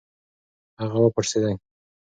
هغه و پړسېډی .